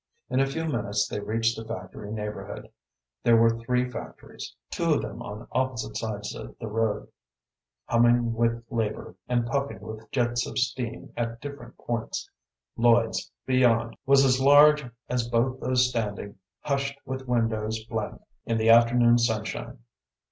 In a few minutes they reached the factory neighborhood. There were three factories: two of them on opposite sides of the road, humming with labor, and puffing with jets of steam at different points; Lloyd's, beyond, was as large as both those standing hushed with windows blank in the afternoon sunshine.